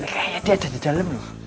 kayaknya dia ada di dalam